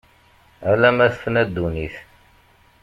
Ala ma tefna ddunit.